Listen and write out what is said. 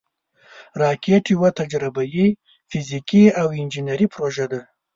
راکټ یوه تجربهاي، فزیکي او انجینري پروژه ده